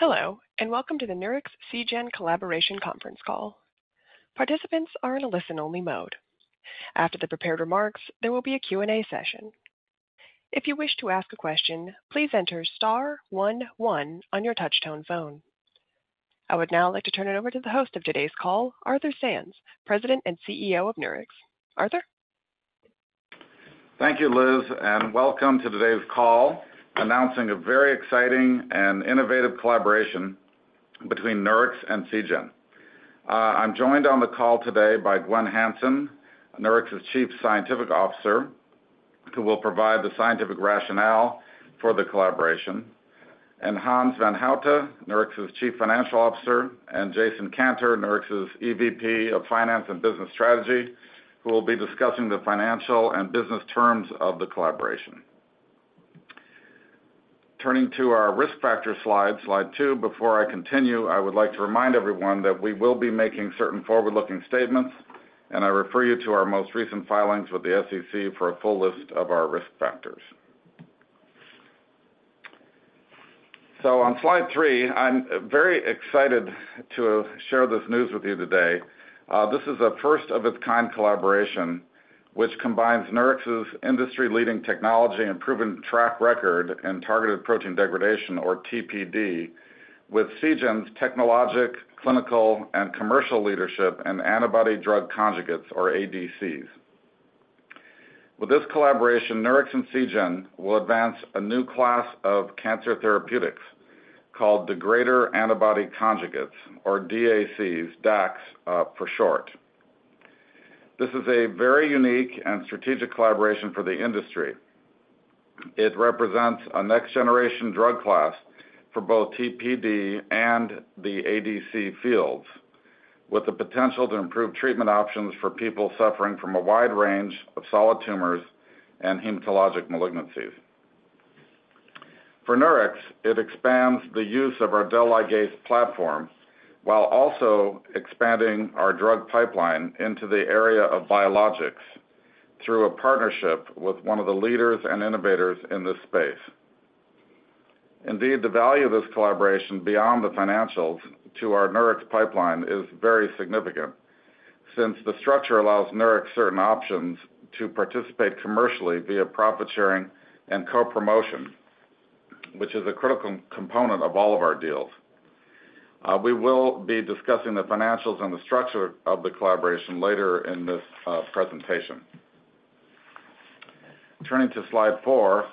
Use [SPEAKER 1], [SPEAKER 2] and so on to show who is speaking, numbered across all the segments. [SPEAKER 1] Hello, and welcome to the Nurix Seagen Collaboration Conference Call. Participants are in a listen-only mode. After the prepared remarks, there will be a Q&A session. If you wish to ask a question, please enter star 11 on your touchtone phone. I would now like to turn it over to the host of today's call, Arthur Sands, President and CEO of Nurix. Arthur?
[SPEAKER 2] Thank you, Liz, and welcome to today's call, announcing a very exciting and innovative collaboration between Nurix and Seagen. I'm joined on the call today by Gwenn Hansen, Nurix's Chief Scientific Officer, who will provide the scientific rationale for the collaboration, and Hans van Houte, Nurix's Chief Financial Officer, and Jason Kantor, Nurix's EVP of Finance and Business Strategy, who will be discussing the financial and business terms of the collaboration. Turning to our risk factor slide, slide 2. Before I continue, I would like to remind everyone that we will be making certain forward-looking statements, and I refer you to our most recent filings with the SEC for a full list of our risk factors. So on slide 3, I'm very excited to share this news with you today. This is a first-of-its-kind collaboration, which combines Nurix's industry-leading technology and proven track record in targeted protein degradation, or TPD, with Seagen's technological, clinical, and commercial leadership in Antibody-Drug Conjugates, or ADCs. With this collaboration, Nurix and Seagen will advance a new class of cancer therapeutics called Degrader-Antibody Conjugates, or DACs, for short. This is a very unique and strategic collaboration for the industry. It represents a next-generation drug class for both TPD and the ADC fields, with the potential to improve treatment options for people suffering from a wide range of solid tumors and hematologic malignancies. For Nurix, it expands the use of our DELigase platform, while also expanding our drug pipeline into the area of biologics through a partnership with one of the leaders and innovators in this space. Indeed, the value of this collaboration beyond the financials to our Nurix pipeline is very significant, since the structure allows Nurix certain options to participate commercially via profit sharing and co-promotion, which is a critical component of all of our deals. We will be discussing the financials and the structure of the collaboration later in this presentation. Turning to slide four,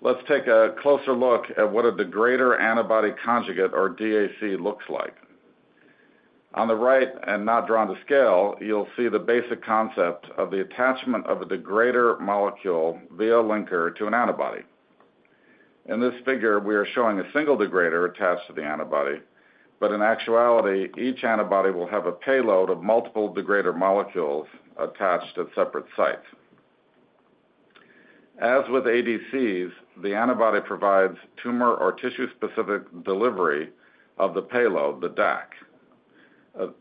[SPEAKER 2] let's take a closer look at what a Degrader-Antibody Conjugate, or DAC, looks like. On the right and not drawn to scale, you'll see the basic concept of the attachment of the degrader molecule via linker to an antibody. In this figure, we are showing a single degrader attached to the antibody, but in actuality, each antibody will have a payload of multiple degrader molecules attached at separate sites. As with ADCs, the antibody provides tumor or tissue-specific delivery of the payload, the DAC,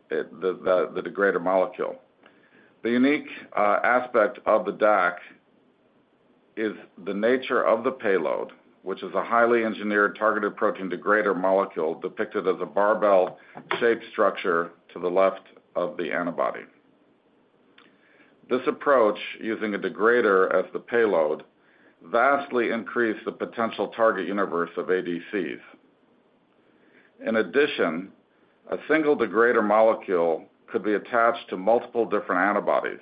[SPEAKER 2] the degrader molecule. The unique aspect of the DAC is the nature of the payload, which is a highly engineered targeted protein degrader molecule depicted as a barbell shape structure to the left of the antibody. This approach, using a degrader as the payload, vastly increased the potential target universe of ADCs. In addition, a single degrader molecule could be attached to multiple different antibodies,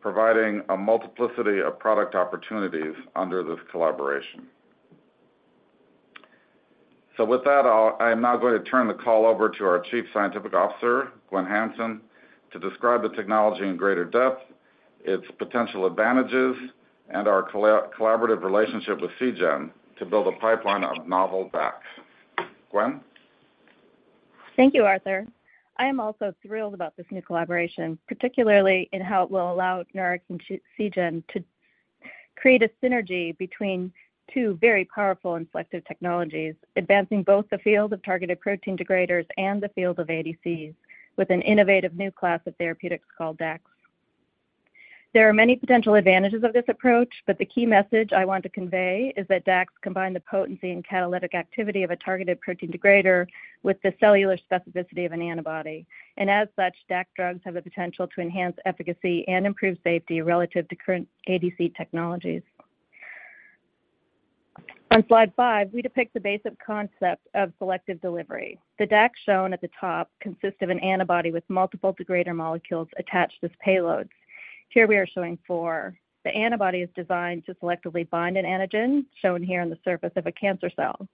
[SPEAKER 2] providing a multiplicity of product opportunities under this collaboration. So with that, I am now going to turn the call over to our Chief Scientific Officer, Gwenn Hansen, to describe the technology in greater depth, its potential advantages, and our collaborative relationship with Seagen to build a pipeline of novel DACs. Gwenn?
[SPEAKER 3] Thank you, Arthur. I am also thrilled about this new collaboration, particularly in how it will allow Nurix and Seagen to create a synergy between two very powerful and selective technologies, advancing both the field of targeted protein degraders and the field of ADCs, with an innovative new class of therapeutics called DACs. There are many potential advantages of this approach, but the key message I want to convey is that DACs combine the potency and catalytic activity of a targeted protein degrader with the cellular specificity of an antibody. And as such, DAC drugs have the potential to enhance efficacy and improve safety relative to current ADC technologies. On slide 5, we depict the basic concept of selective delivery. The DAC shown at the top consists of an antibody with multiple degrader molecules attached as payloads. Here we are showing four. The antibody is designed to selectively bind an antigen, shown here on the surface of a cancer cell.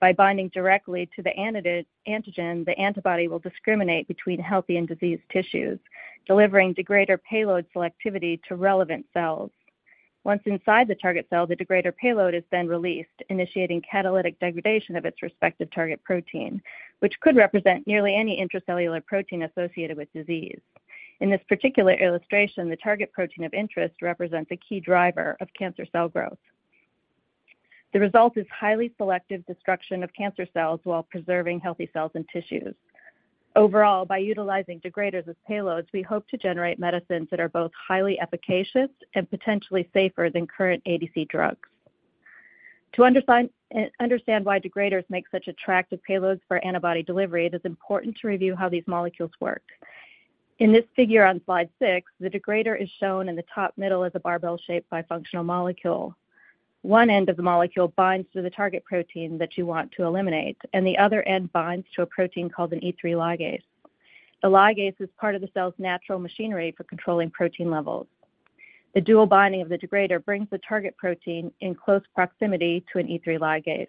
[SPEAKER 3] By binding directly to the antigen, the antibody will discriminate between healthy and diseased tissues, delivering degrader payload selectivity to relevant cells. Once inside the target cell, the degrader payload is then released, initiating catalytic degradation of its respective target protein, which could represent nearly any intracellular protein associated with disease. In this particular illustration, the target protein of interest represents a key driver of cancer cell growth. The result is highly selective destruction of cancer cells while preserving healthy cells and tissues.... Overall, by utilizing degraders as payloads, we hope to generate medicines that are both highly efficacious and potentially safer than current ADC drugs. To understand, understand why degraders make such attractive payloads for antibody delivery, it is important to review how these molecules work. In this figure on slide 6, the degrader is shown in the top middle as a barbell-shaped bifunctional molecule. One end of the molecule binds to the target protein that you want to eliminate, and the other end binds to a protein called an E3 ligase. The ligase is part of the cell's natural machinery for controlling protein levels. The dual binding of the degrader brings the target protein in close proximity to an E3 ligase.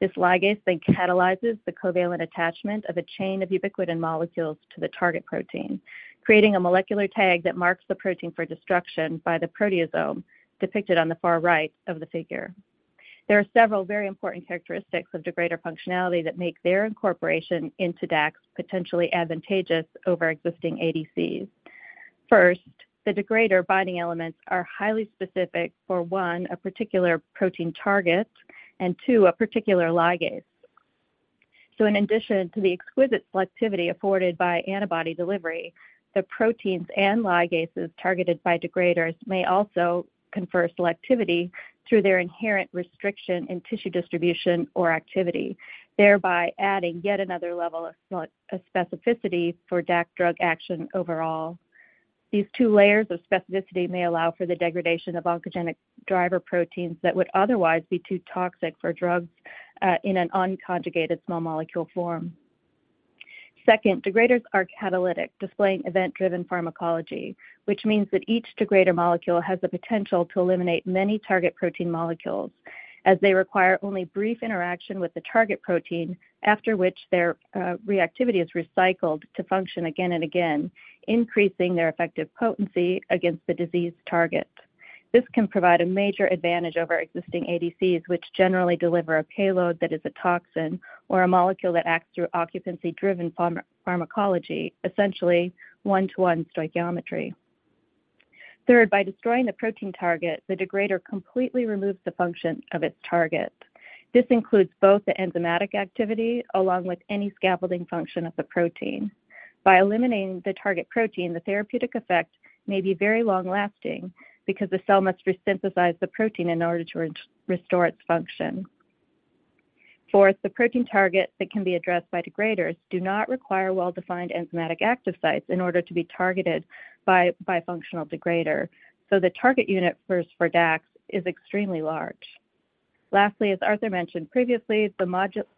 [SPEAKER 3] This ligase then catalyzes the covalent attachment of a chain of ubiquitin molecules to the target protein, creating a molecular tag that marks the protein for destruction by the proteasome depicted on the far right of the figure. There are several very important characteristics of degrader functionality that make their incorporation into DACs potentially advantageous over existing ADCs. First, the degrader binding elements are highly specific for, one, a particular protein target, and two, a particular ligase. So in addition to the exquisite selectivity afforded by antibody delivery, the proteins and ligases targeted by degraders may also confer selectivity through their inherent restriction in tissue distribution or activity, thereby adding yet another level of specificity for DAC drug action overall. These two layers of specificity may allow for the degradation of oncogenic driver proteins that would otherwise be too toxic for drugs in an unconjugated small molecule form. Second, degraders are catalytic, displaying event-driven pharmacology, which means that each degrader molecule has the potential to eliminate many target protein molecules, as they require only brief interaction with the target protein, after which their reactivity is recycled to function again and again, increasing their effective potency against the disease target. This can provide a major advantage over existing ADCs, which generally deliver a payload that is a toxin or a molecule that acts through occupancy-driven pharmacology, essentially 1:1 stoichiometry. Third, by destroying the protein target, the degrader completely removes the function of its target. This includes both the enzymatic activity, along with any scaffolding function of the protein. By eliminating the target protein, the therapeutic effect may be very long-lasting because the cell must resynthesize the protein in order to restore its function. Fourth, the protein target that can be addressed by degraders do not require well-defined enzymatic active sites in order to be targeted by bifunctional degrader, so the target universe for DACs is extremely large. Lastly, as Arthur mentioned previously, the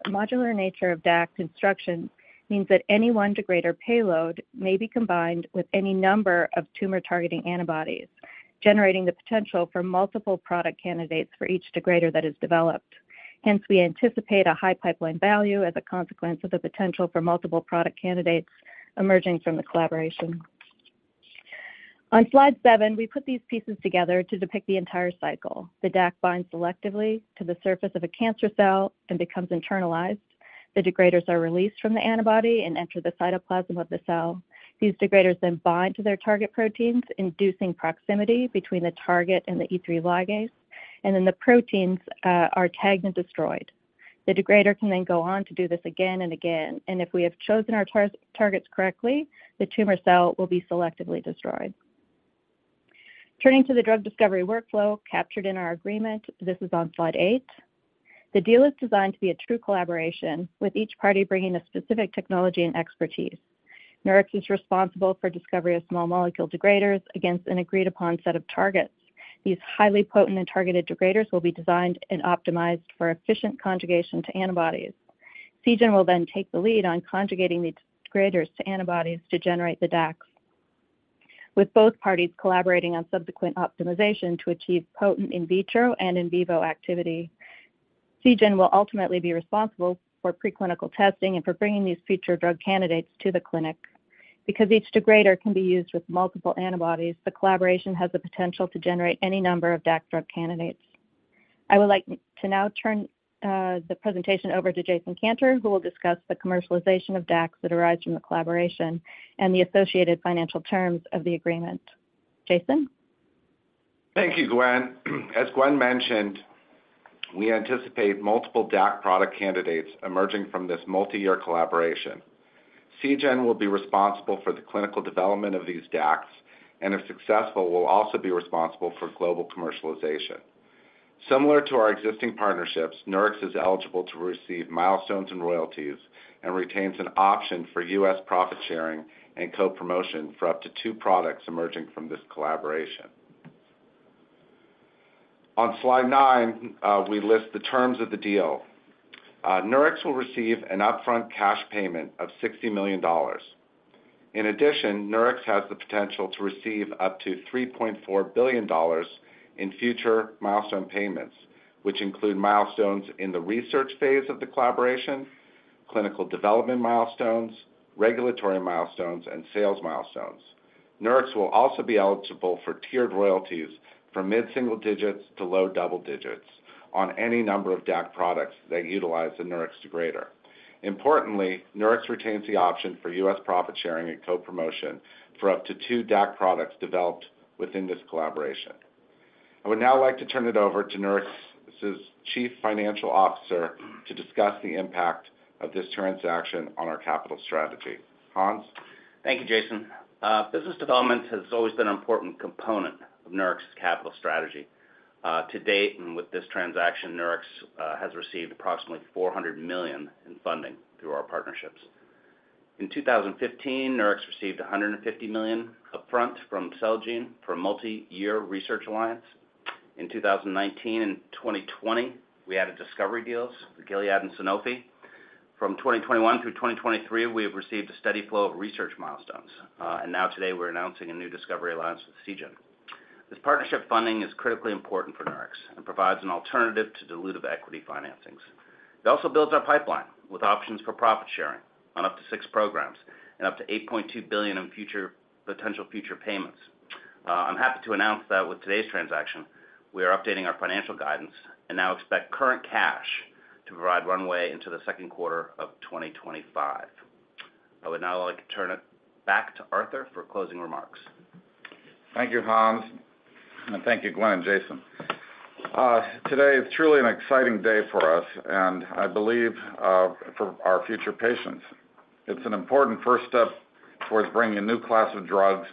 [SPEAKER 3] modular nature of DAC construction means that any one degrader payload may be combined with any number of tumor-targeting antibodies, generating the potential for multiple product candidates for each degrader that is developed. Hence, we anticipate a high pipeline value as a consequence of the potential for multiple product candidates emerging from the collaboration. On slide 7, we put these pieces together to depict the entire cycle. The DAC binds selectively to the surface of a cancer cell and becomes internalized. The degraders are released from the antibody and enter the cytoplasm of the cell. These degraders then bind to their target proteins, inducing proximity between the target and the E3 ligase, and then the proteins are tagged and destroyed. The degrader can then go on to do this again and again, and if we have chosen our targets correctly, the tumor cell will be selectively destroyed. Turning to the drug discovery workflow captured in our agreement, this is on slide 8. The deal is designed to be a true collaboration, with each party bringing a specific technology and expertise. Nurix is responsible for discovery of small molecule degraders against an agreed-upon set of targets. These highly potent and targeted degraders will be designed and optimized for efficient conjugation to antibodies. Seagen will then take the lead on conjugating these degraders to antibodies to generate the DACs, with both parties collaborating on subsequent optimization to achieve potent in vitro and in vivo activity. Seagen will ultimately be responsible for preclinical testing and for bringing these future drug candidates to the clinic. Because each degrader can be used with multiple antibodies, the collaboration has the potential to generate any number of DAC drug candidates. I would like to now turn the presentation over to Jason Kantor, who will discuss the commercialization of DACs that arise from the collaboration and the associated financial terms of the agreement. Jason?
[SPEAKER 4] Thank you, Gwenn. As Gwenn mentioned, we anticipate multiple DAC product candidates emerging from this multi-year collaboration. Seagen will be responsible for the clinical development of these DACs, and if successful, will also be responsible for global commercialization. Similar to our existing partnerships, Nurix is eligible to receive milestones and royalties, and retains an option for U.S. profit sharing and co-promotion for up to two products emerging from this collaboration. On slide 9, we list the terms of the deal. Nurix will receive an upfront cash payment of $60 million. In addition, Nurix has the potential to receive up to $3.4 billion in future milestone payments, which include milestones in the research phase of the collaboration, clinical development milestones, regulatory milestones, and sales milestones. Nurix will also be eligible for tiered royalties from mid-single digits to low double digits on any number of DAC products that utilize the Nurix degrader. Importantly, Nurix retains the option for U.S. profit sharing and co-promotion for up to two DAC products developed within this collaboration....
[SPEAKER 2] I would now like to turn it over to Nurix's Chief Financial Officer to discuss the impact of this transaction on our capital strategy. Hans?
[SPEAKER 5] Thank you, Jason. Business development has always been an important component of Nurix's capital strategy. To date, and with this transaction, Nurix has received approximately $400 million in funding through our partnerships. In 2015, Nurix received $150 million upfront from Celgene for a multiyear research alliance. In 2019 and 2020, we added discovery deals with Gilead and Sanofi. From 2021 through 2023, we have received a steady flow of research milestones, and now today we're announcing a new discovery alliance with Seagen. This partnership funding is critically important for Nurix and provides an alternative to dilutive equity financings. It also builds our pipeline with options for profit sharing on up to six programs and up to $8.2 billion in potential future payments. I'm happy to announce that with today's transaction, we are updating our financial guidance and now expect current cash to provide runway into the second quarter of 2025. I would now like to turn it back to Arthur for closing remarks.
[SPEAKER 2] Thank you, Hans, and thank you, Gwenn and Jason. Today is truly an exciting day for us, and I believe for our future patients. It's an important first step towards bringing a new class of drugs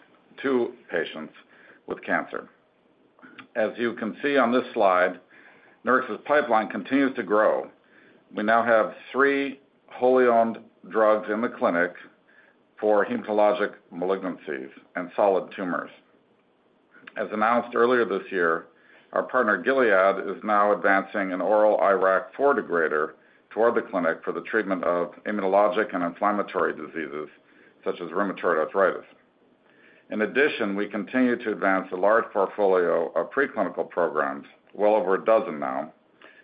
[SPEAKER 2] to patients with cancer. As you can see on this slide, Nurix's pipeline continues to grow. We now have three wholly owned drugs in the clinic for hematologic malignancies and solid tumors. As announced earlier this year, our partner, Gilead, is now advancing an oral IRAK4 degrader toward the clinic for the treatment of immunologic and inflammatory diseases, such as rheumatoid arthritis. In addition, we continue to advance a large portfolio of preclinical programs, well over a dozen now,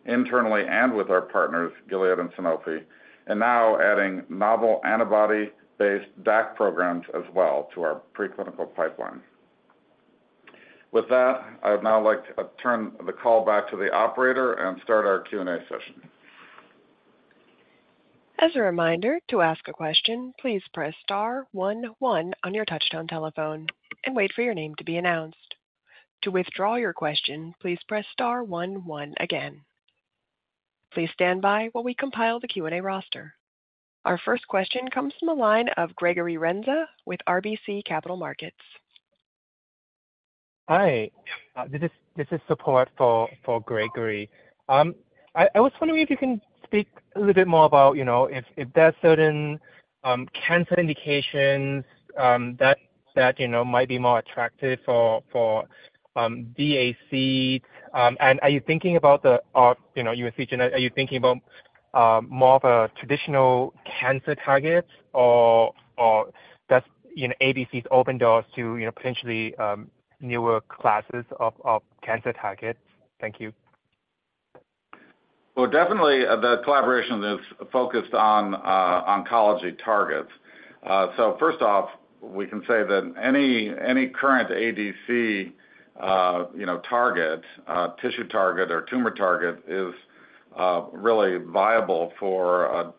[SPEAKER 2] internally and with our partners, Gilead and Sanofi, and now adding novel antibody-based DAC programs as well to our preclinical pipeline. With that, I'd now like to turn the call back to the operator and start our Q&A session.
[SPEAKER 1] As a reminder, to ask a question, please press star 11 on your touch-tone telephone and wait for your name to be announced. To withdraw your question, please press star 11 again. Please stand by while we compile the Q&A roster. Our first question comes from the line of Gregory Renza with RBC Capital Markets.
[SPEAKER 6] Hi, this is support for Gregory. I was wondering if you can speak a little bit more about, you know, if there are certain cancer indications that you know might be more attractive for DAC. And are you thinking about the, you know, Seagen- are you thinking about more of a traditional cancer targets or that's you know ADCs open doors to you know potentially newer classes of cancer targets? Thank you.
[SPEAKER 2] Well, definitely the collaboration is focused on oncology targets. So first off, we can say that any current ADC, you know, target, tissue target or tumor target is really viable for a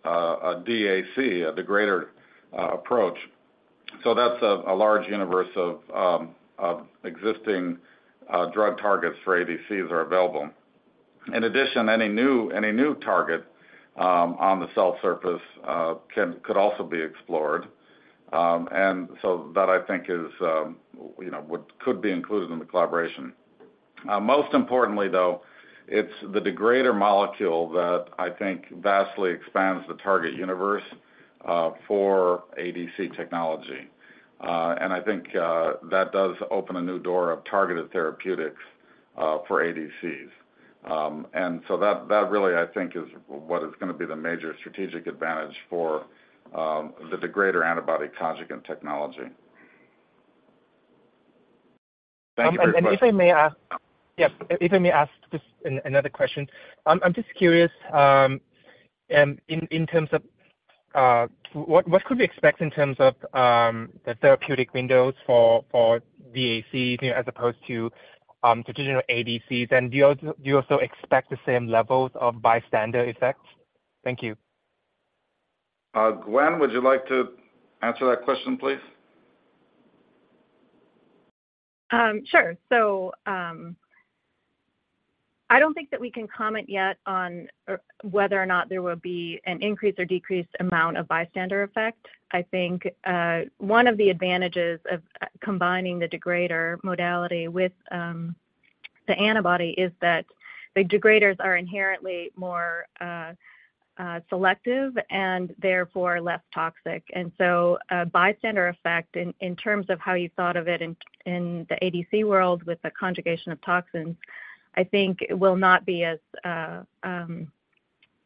[SPEAKER 2] DAC, a degrader approach. So that's a large universe of existing drug targets for ADCs are available. In addition, any new target on the cell surface could also be explored. And so that, I think, is you know what could be included in the collaboration. Most importantly, though, it's the degrader molecule that I think vastly expands the target universe for ADC technology. And I think that does open a new door of targeted therapeutics for ADCs. And so that, that really, I think, is what is gonna be the major strategic advantage for the degrader antibody conjugate technology. Thank you for your question.
[SPEAKER 6] If I may ask just another question. I'm just curious, in terms of what could we expect in terms of the therapeutic windows for DAC, you know, as opposed to traditional ADCs? Do you also expect the same levels of bystander effects? Thank you.
[SPEAKER 2] Gwenn, would you like to answer that question, please?
[SPEAKER 3] Sure. So, I don't think that we can comment yet on whether or not there will be an increased or decreased amount of bystander effect. I think one of the advantages of combining the degrader modality with the antibody is that the degraders are inherently more selective and therefore less toxic. And so a bystander effect in, in terms of how you thought of it in, in the ADC world with the conjugation of toxins, I think it will not be as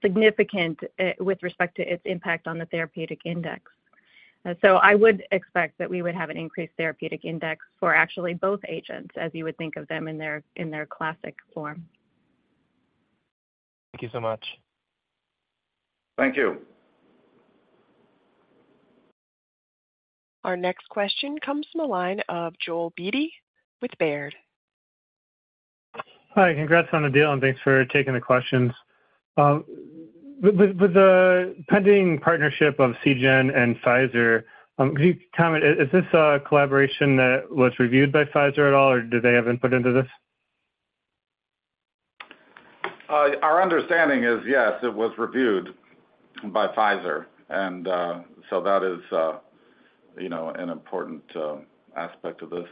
[SPEAKER 3] significant with respect to its impact on the therapeutic index. So I would expect that we would have an increased therapeutic index for actually both agents, as you would think of them in their, in their classic form.
[SPEAKER 6] Thank you so much.
[SPEAKER 2] Thank you.
[SPEAKER 1] Our next question comes from the line of Joel Beatty with Baird.
[SPEAKER 7] Hi, congrats on the deal, and thanks for taking the questions.... With the pending partnership of Seagen and Pfizer, could you comment, is this a collaboration that was reviewed by Pfizer at all, or do they have input into this?
[SPEAKER 2] Our understanding is, yes, it was reviewed by Pfizer, and so that is, you know, an important aspect of this.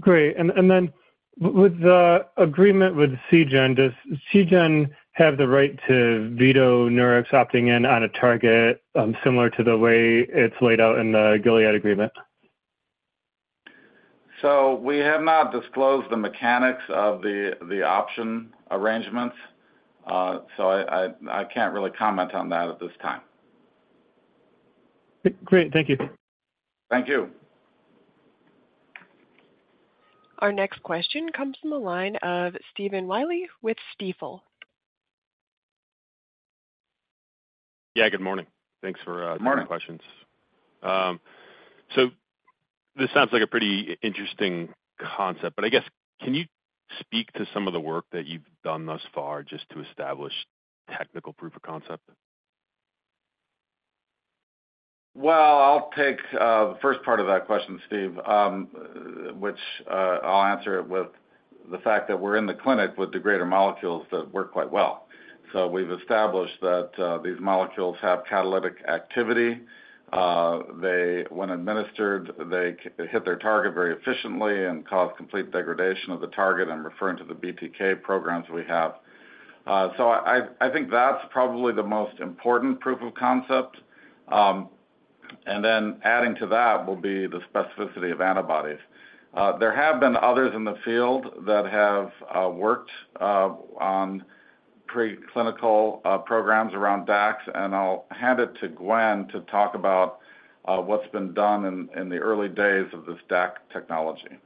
[SPEAKER 7] Great. And then with the agreement with Seagen, does Seagen have the right to veto Nurix opting in on a target, similar to the way it's laid out in the Gilead agreement?
[SPEAKER 2] We have not disclosed the mechanics of the option arrangements, so I can't really comment on that at this time.
[SPEAKER 7] Great. Thank you.
[SPEAKER 2] Thank you.
[SPEAKER 1] Our next question comes from the line of Stephen Willey with Stifel.
[SPEAKER 8] Yeah, good morning. Thanks for,
[SPEAKER 2] Good morning.
[SPEAKER 8] -taking questions. This sounds like a pretty interesting concept, but I guess, can you speak to some of the work that you've done thus far just to establish technical proof of concept?
[SPEAKER 2] Well, I'll take the first part of that question, Steve, which I'll answer it with the fact that we're in the clinic with the degrader molecules that work quite well. So we've established that these molecules have catalytic activity. They, when administered, hit their target very efficiently and cause complete degradation of the target. I'm referring to the BTK programs we have. So I think that's probably the most important proof of concept. And then adding to that will be the specificity of antibodies. There have been others in the field that have worked on preclinical programs around DACs, and I'll hand it to Gwen to talk about what's been done in the early days of this DAC technology.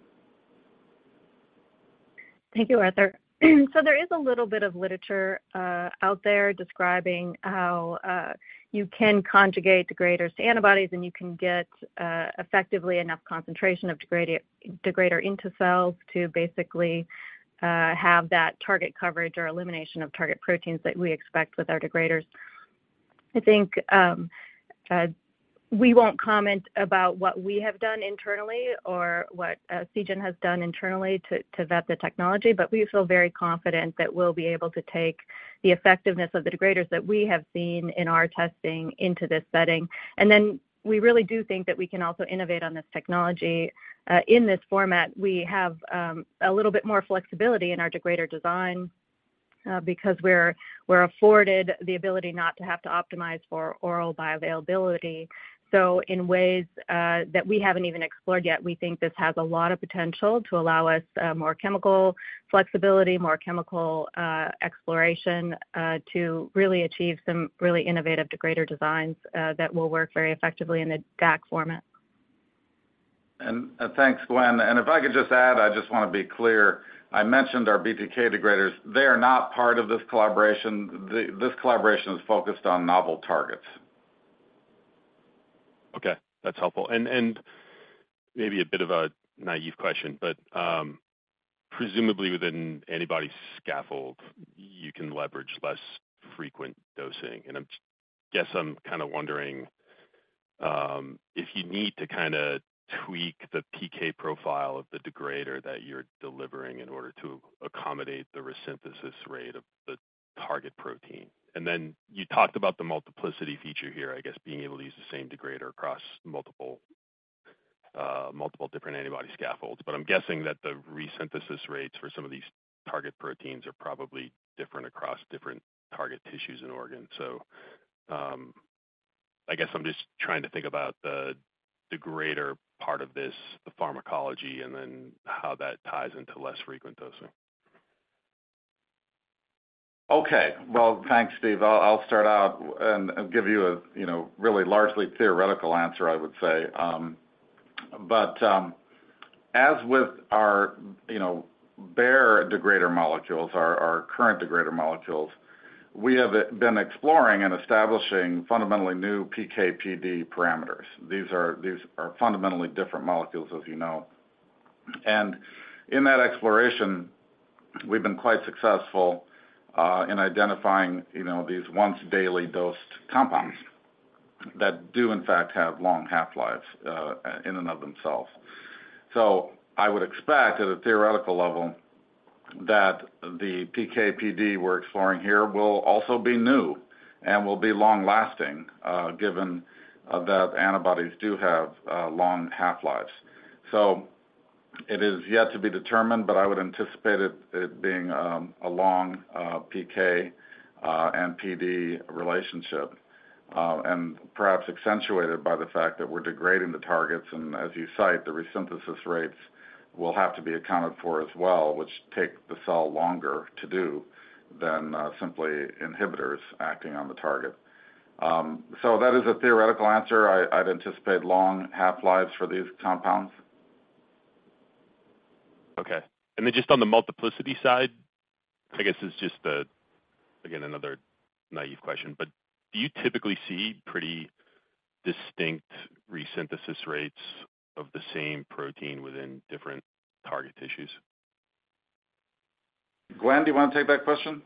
[SPEAKER 3] Thank you, Arthur. So there is a little bit of literature out there describing how you can conjugate degraders to antibodies, and you can get effectively enough concentration of degrader into cells to basically have that target coverage or elimination of target proteins that we expect with our degraders. I think we won't comment about what we have done internally or what Seagen has done internally to vet the technology, but we feel very confident that we'll be able to take the effectiveness of the degraders that we have seen in our testing into this setting. And then we really do think that we can also innovate on this technology. In this format, we have a little bit more flexibility in our degrader design because we're afforded the ability not to have to optimize for oral bioavailability. So in ways, that we haven't even explored yet, we think this has a lot of potential to allow us, more chemical flexibility, more chemical, exploration, to really achieve some really innovative degrader designs, that will work very effectively in the DAC format.
[SPEAKER 2] Thanks, Gwenn. And if I could just add, I just wanna be clear, I mentioned our BTK degraders. They are not part of this collaboration. This collaboration is focused on novel targets.
[SPEAKER 8] Okay, that's helpful. And maybe a bit of a naive question, but presumably, within anybody's scaffold, you can leverage less frequent dosing. And I guess I'm kind of wondering if you need to kinda tweak the PK profile of the degrader that you're delivering in order to accommodate the resynthesis rate of the target protein. And then you talked about the multiplicity feature here, I guess being able to use the same degrader across multiple different antibody scaffolds. But I'm guessing that the resynthesis rates for some of these target proteins are probably different across different target tissues and organs. So I guess I'm just trying to think about the degrader part of this, the pharmacology, and then how that ties into less frequent dosing.
[SPEAKER 2] Okay. Well, thanks, Steve. I'll start out and give you a, you know, really largely theoretical answer, I would say. But as with our, you know, bare degrader molecules, our current degrader molecules, we have been exploring and establishing fundamentally new PK/PD parameters. These are fundamentally different molecules, as you know. And in that exploration, we've been quite successful in identifying, you know, these once-daily dosed compounds that do in fact have long half-lives in and of themselves. So I would expect, at a theoretical level, that the PK/PD we're exploring here will also be new and will be long-lasting, given that antibodies do have long half-lives. So it is yet to be determined, but I would anticipate it, it being a long PK and PD relationship, and perhaps accentuated by the fact that we're degrading the targets, and as you cite, the resynthesis rates will have to be accounted for as well, which take the cell longer to do than simply inhibitors acting on the target. So that is a theoretical answer. I'd anticipate long half-lives for these compounds.
[SPEAKER 8] Okay. And then just on the multiplicity side, I guess this is just a, again, another naive question, but do you typically see pretty distinct resynthesis rates of the same protein within different target tissues?
[SPEAKER 2] Gwenn, do you want to take that question?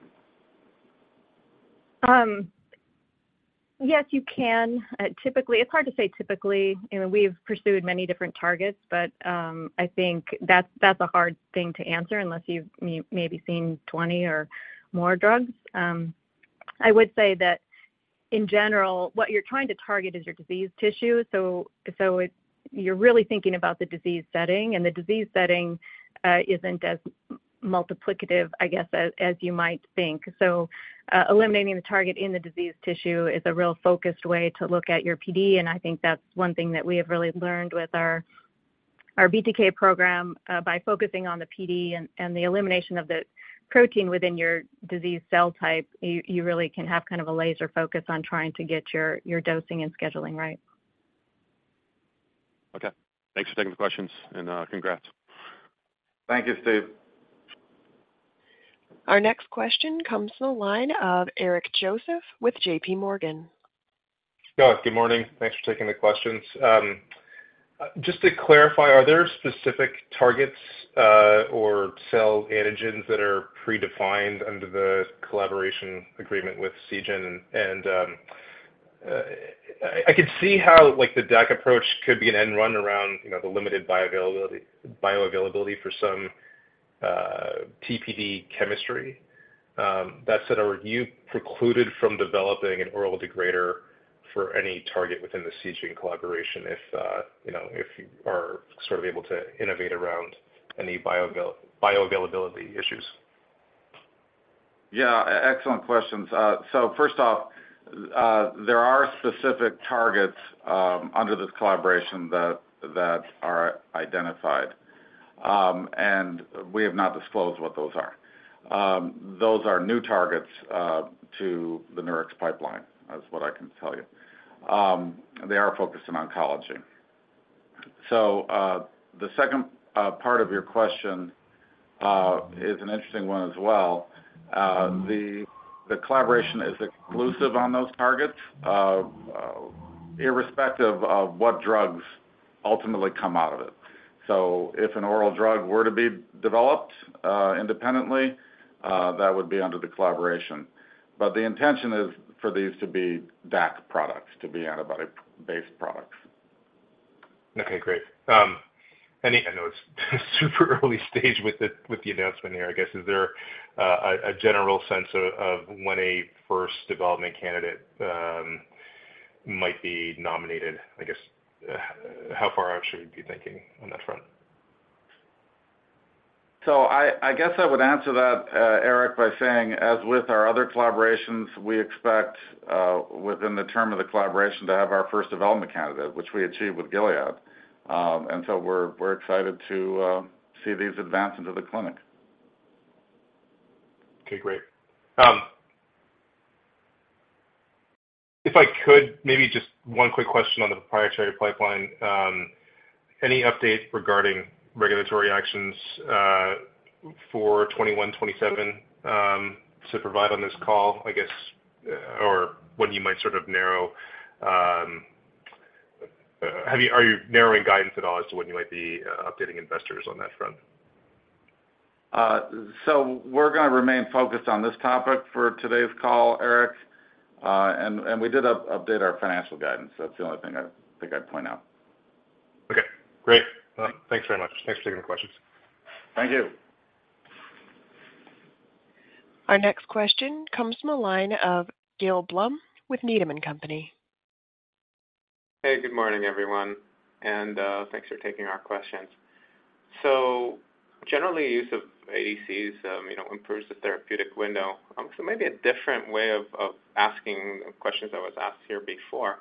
[SPEAKER 3] Yes, you can. Typically, it's hard to say typically, you know, we've pursued many different targets, but, I think that's, that's a hard thing to answer unless you've maybe seen 20 or more drugs. I would say that in general, what you're trying to target is your disease tissue, so, so it, you're really thinking about the disease setting, and the disease setting, isn't as multiplicative, I guess, as, as you might think. So, eliminating the target in the disease tissue is a real focused way to look at your PD, and I think that's one thing that we have really learned with our BTK program, by focusing on the PD and the elimination of the protein within your disease cell type, you really can have kind of a laser focus on trying to get your dosing and scheduling right.
[SPEAKER 8] Okay. Thanks for taking the questions, and, congrats.
[SPEAKER 2] Thank you, Steve.
[SPEAKER 1] Our next question comes from the line of Eric Joseph with J.P. Morgan.
[SPEAKER 9] Yeah, good morning. Thanks for taking the questions. Just to clarify, are there specific targets or cell antigens that are predefined under the collaboration agreement with Seagen? And I could see how like the DAC approach could be an end run around, you know, the limited bioavailability for some TPD chemistry. That said, are you precluded from developing an oral degrader for any target within the Seagen collaboration if, you know, if you are sort of able to innovate around any bioavailability issues?
[SPEAKER 2] Yeah, excellent questions. So first off, there are specific targets under this collaboration that are identified, and we have not disclosed what those are. Those are new targets to the Nurix pipeline. That's what I can tell you. They are focused on oncology. So the second part of your question is an interesting one as well. The collaboration is exclusive on those targets, irrespective of what drugs ultimately come out of it. So if an oral drug were to be developed, independently, that would be under the collaboration. But the intention is for these to be DAC products, to be antibody-based products.
[SPEAKER 9] Okay, great. I know it's super early stage with the, with the announcement here, I guess, is there a general sense of when a first development candidate might be nominated? I guess, how far out should we be thinking on that front?
[SPEAKER 2] So I guess I would answer that, Eric, by saying, as with our other collaborations, we expect within the term of the collaboration to have our first development candidate, which we achieved with Gilead. And so we're excited to see these advance into the clinic.
[SPEAKER 9] Okay, great. If I could, maybe just one quick question on the proprietary pipeline. Any update regarding regulatory actions for NX-2127 to provide on this call, I guess, or when you might sort of narrow, are you narrowing guidance at all as to when you might be updating investors on that front?
[SPEAKER 2] So we're gonna remain focused on this topic for today's call, Eric. We did update our financial guidance. That's the only thing I think I'd point out.
[SPEAKER 9] Okay, great. Thanks very much. Thanks for taking the questions.
[SPEAKER 2] Thank you.
[SPEAKER 1] Our next question comes from the line of Gil Blum with Needham & Company.
[SPEAKER 10] Hey, good morning, everyone, and thanks for taking our questions. So generally, use of ADCs, you know, improves the therapeutic window. So maybe a different way of asking questions that was asked here before.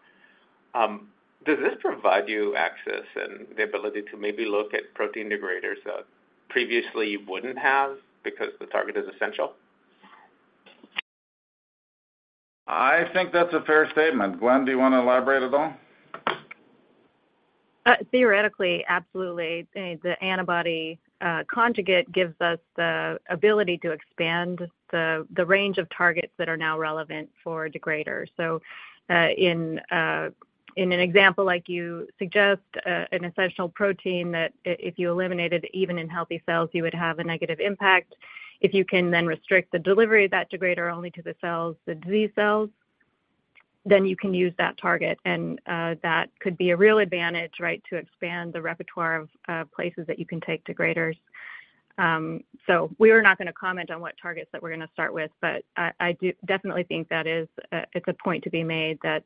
[SPEAKER 10] Does this provide you access and the ability to maybe look at protein degraders that previously you wouldn't have because the target is essential?
[SPEAKER 2] I think that's a fair statement. Gwen, do you want to elaborate at all?
[SPEAKER 3] Theoretically, absolutely. I think the antibody conjugate gives us the ability to expand the range of targets that are now relevant for degraders. So, in an example like you suggest, an essential protein that if you eliminate it, even in healthy cells, you would have a negative impact. If you can then restrict the delivery of that degrader only to the cells, the disease cells, then you can use that target, and that could be a real advantage, right, to expand the repertoire of places that you can take degraders. So we are not gonna comment on what targets that we're gonna start with, but I do definitely think that is, it's a point to be made that,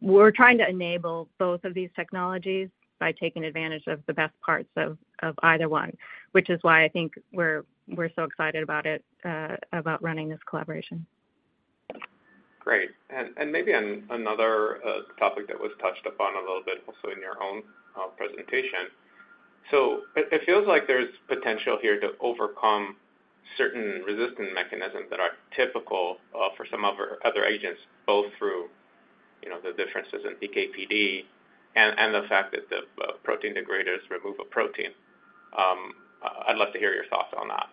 [SPEAKER 3] we're trying to enable both of these technologies by taking advantage of the best parts of either one, which is why I think we're so excited about it, about running this collaboration.
[SPEAKER 10] Great. And maybe another topic that was touched upon a little bit also in your own presentation. So it feels like there's potential here to overcome certain resistance mechanisms that are typical for some other agents, both through, you know, the differences in PK/PD and the fact that the protein degraders remove a protein. I'd love to hear your thoughts on that....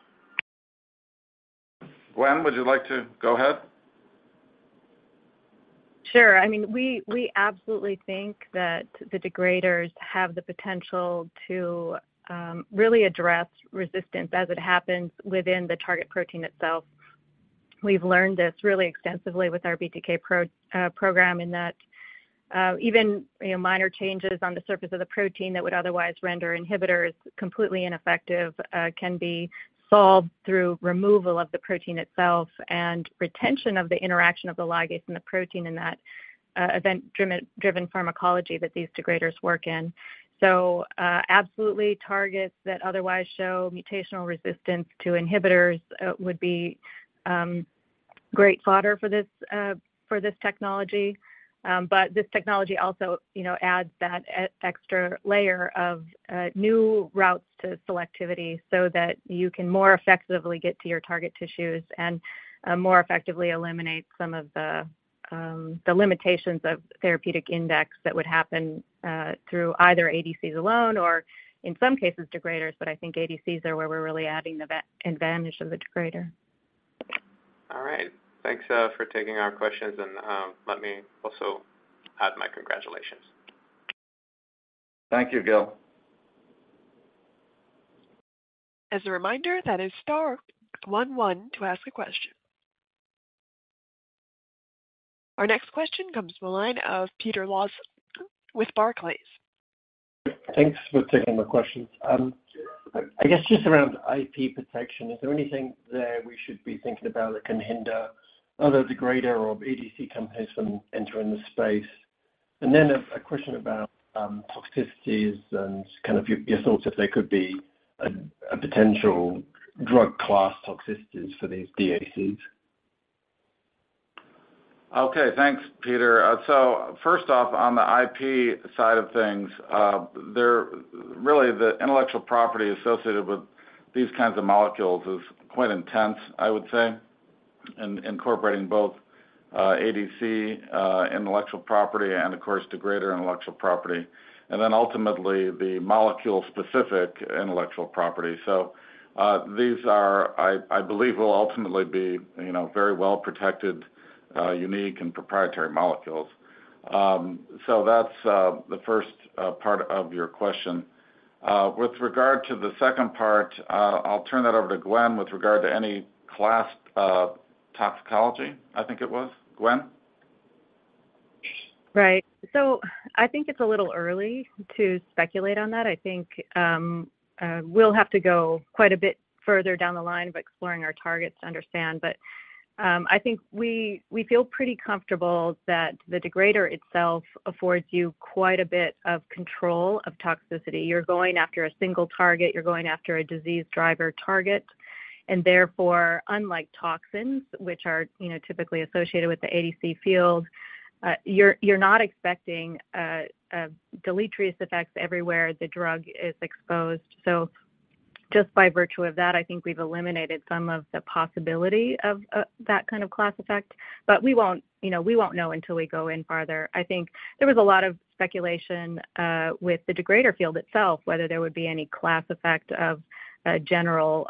[SPEAKER 2] Gwenn, would you like to go ahead?
[SPEAKER 3] Sure. I mean, we absolutely think that the degraders have the potential to really address resistance as it happens within the target protein itself. We've learned this really extensively with our BTK program, in that even, you know, minor changes on the surface of the protein that would otherwise render inhibitors completely ineffective can be solved through removal of the protein itself and retention of the interaction of the ligase and the protein in that event-driven pharmacology that these degraders work in. So absolutely targets that otherwise show mutational resistance to inhibitors would be great fodder for this technology. But this technology also, you know, adds that extra layer of new routes to selectivity so that you can more effectively get to your target tissues and more effectively eliminate some of the, the limitations of therapeutic index that would happen through either ADCs alone or, in some cases, degraders. But I think ADCs are where we're really adding the advantage of the degrader.
[SPEAKER 10] All right. Thanks for taking our questions, and let me also add my congratulations.
[SPEAKER 2] Thank you, Gil.
[SPEAKER 1] As a reminder, that is star one one to ask a question. Our next question comes from the line of Peter Lawson with Barclays.
[SPEAKER 11] Thanks for taking my questions. I guess just around IP protection, is there anything there we should be thinking about that can hinder other degrader or ADC companies from entering the space? And then a question about toxicities and kind of your thoughts if there could be a potential drug class toxicities for these DACs.
[SPEAKER 2] Okay. Thanks, Peter. So first off, on the IP side of things, really, the intellectual property associated with these kinds of molecules is quite intense, I would say, in incorporating both, ADC, intellectual property and, of course, degrader intellectual property, and then ultimately, the molecule-specific intellectual property. So, these are, I believe, will ultimately be, you know, very well protected, unique and proprietary molecules. So that's, the first, part of your question. With regard to the second part, I'll turn that over to Gwenn with regard to any class, toxicology, I think it was. Gwenn?
[SPEAKER 3] Right. So I think it's a little early to speculate on that. I think we'll have to go quite a bit further down the line of exploring our targets to understand. But I think we feel pretty comfortable that the degrader itself affords you quite a bit of control of toxicity. You're going after a single target, you're going after a disease driver target, and therefore, unlike toxins, which are, you know, typically associated with the ADC field, you're not expecting deleterious effects everywhere the drug is exposed. So just by virtue of that, I think we've eliminated some of the possibility of that kind of class effect, but we won't, you know, we won't know until we go in farther. I think there was a lot of speculation with the degrader field itself, whether there would be any class effect of general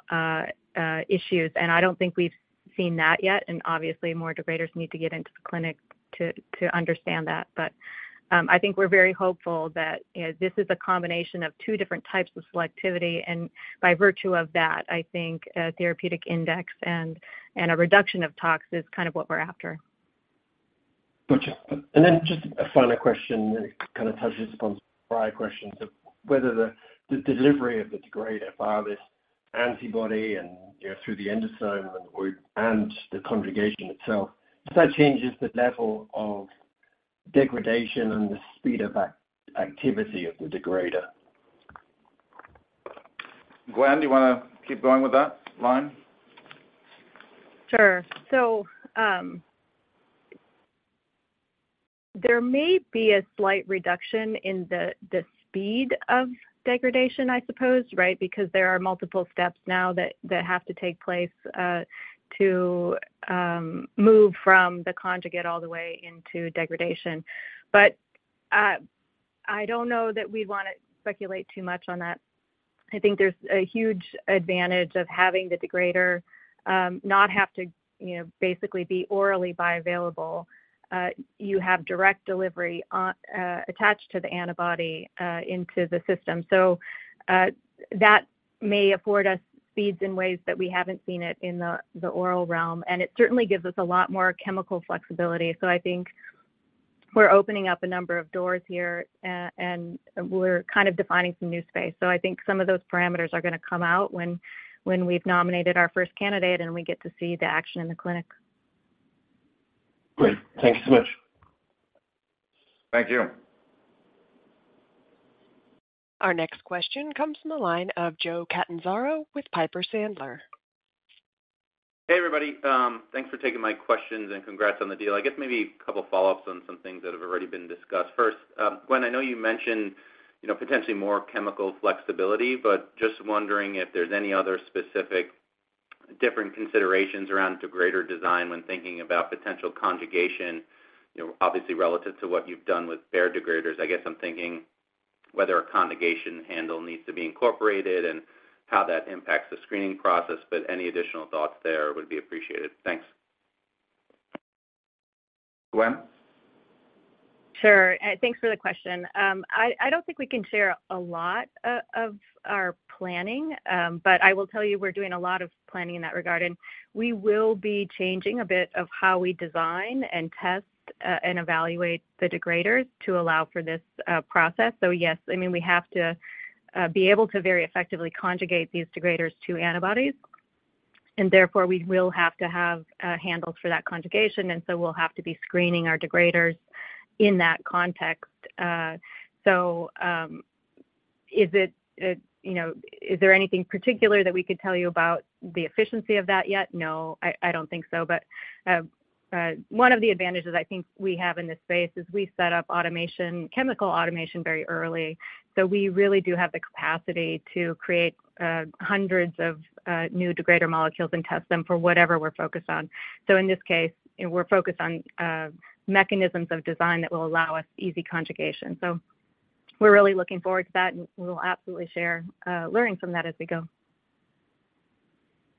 [SPEAKER 3] issues, and I don't think we've seen that yet, and obviously, more degraders need to get into the clinic to understand that. I think we're very hopeful that, you know, this is a combination of two different types of selectivity, and by virtue of that, I think a therapeutic index and a reduction of tox is kind of what we're after.
[SPEAKER 11] Gotcha. And then just a final question, and it kind of touches upon prior questions of whether the delivery of the degrader via this antibody and, you know, through the endosome and, or, and the conjugation itself, if that changes the level of degradation and the speed of activity of the degrader.
[SPEAKER 2] Gwenn, do you wanna keep going with that line?
[SPEAKER 3] Sure. So, there may be a slight reduction in the speed of degradation, I suppose, right? Because there are multiple steps now that have to take place to move from the conjugate all the way into degradation. But, I don't know that we'd wanna speculate too much on that. I think there's a huge advantage of having the degrader not have to, you know, basically be orally bioavailable. You have direct delivery on attached to the antibody into the system. So, that may afford us speeds in ways that we haven't seen it in the oral realm, and it certainly gives us a lot more chemical flexibility. So I think we're opening up a number of doors here, and we're kind of defining some new space. I think some of those parameters are gonna come out when we've nominated our first candidate, and we get to see the action in the clinic.
[SPEAKER 11] Great. Thank you so much.
[SPEAKER 2] Thank you.
[SPEAKER 1] Our next question comes from the line of Joe Catanzaro with Piper Sandler.
[SPEAKER 12] Hey, everybody. Thanks for taking my questions, and congrats on the deal. I guess maybe a couple follow-ups on some things that have already been discussed. First, Gwenn, I know you mentioned, you know, potentially more chemical flexibility, but just wondering if there's any other specific different considerations around degrader design when thinking about potential conjugation, you know, obviously relative to what you've done with bare degraders. I guess I'm thinking whether a conjugation handle needs to be incorporated and how that impacts the screening process, but any additional thoughts there would be appreciated. Thanks.
[SPEAKER 2] Gwen?
[SPEAKER 3] Sure. Thanks for the question. I don't think we can share a lot of our planning, but I will tell you we're doing a lot of planning in that regard, and we will be changing a bit of how we design and test and evaluate the degraders to allow for this process. So yes, I mean, we have to be able to very effectively conjugate these degraders to antibodies, and therefore, we will have to have handles for that conjugation, and so we'll have to be screening our degraders in that context. So, you know, is there anything particular that we could tell you about the efficiency of that yet? No, I don't think so. But, one of the advantages I think we have in this space is we set up automation, chemical automation very early. So we really do have the capacity to create, hundreds of, new degrader molecules and test them for whatever we're focused on. So in this case, we're focused on, mechanisms of design that will allow us easy conjugation. So we're really looking forward to that, and we'll absolutely share, learnings from that as we go.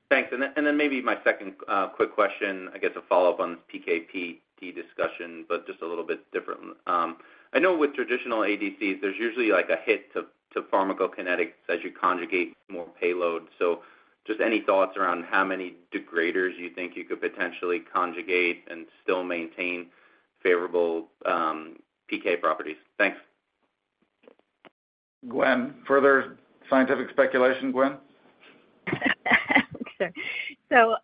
[SPEAKER 12] Thanks. And then maybe my second quick question, I guess, a follow-up on this PK/PD discussion, but just a little bit different. I know with traditional ADCs, there's usually like a hit to pharmacokinetics as you conjugate more payload. So just any thoughts around how many degraders you think you could potentially conjugate and still maintain favorable PK properties? Thanks.
[SPEAKER 2] Gwenn, further scientific speculation, Gwenn?
[SPEAKER 3] Sure. So,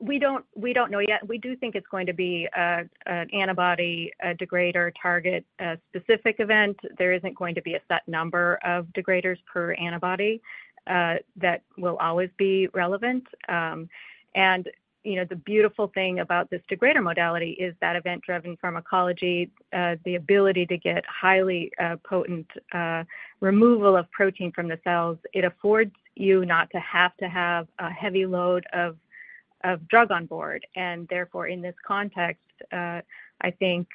[SPEAKER 3] we don't know yet. We do think it's going to be an antibody degrader target, a specific event. There isn't going to be a set number of degraders per antibody that will always be relevant. And, you know, the beautiful thing about this degrader modality is that event-driven pharmacology, the ability to get highly potent removal of protein from the cells, it affords you not to have to have a heavy load of drug on board. And therefore, in this context, I think,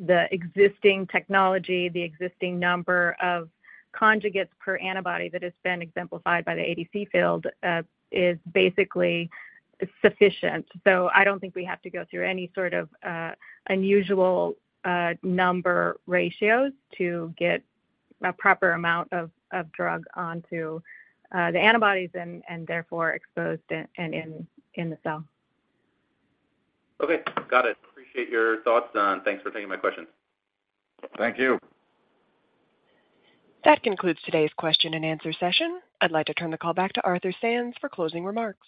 [SPEAKER 3] the existing technology, the existing number of conjugates per antibody that has been exemplified by the ADC field, is basically sufficient. So I don't think we have to go through any sort of unusual number ratios to get a proper amount of drug onto the antibodies and therefore exposed and in the cell.
[SPEAKER 12] Okay, got it. Appreciate your thoughts, and thanks for taking my questions.
[SPEAKER 2] Thank you.
[SPEAKER 1] That concludes today's question and answer session. I'd like to turn the call back to Arthur Sands for closing remarks.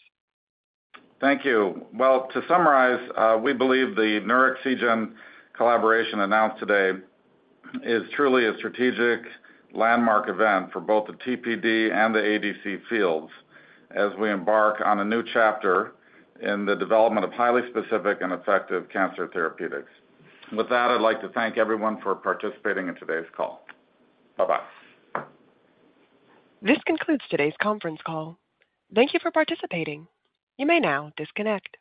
[SPEAKER 2] Thank you. Well, to summarize, we believe the Nurix-Seagen collaboration announced today is truly a strategic landmark event for both the TPD and the ADC fields, as we embark on a new chapter in the development of highly specific and effective cancer therapeutics. With that, I'd like to thank everyone for participating in today's call. Bye-bye.
[SPEAKER 1] This concludes today's conference call. Thank you for participating. You may now disconnect.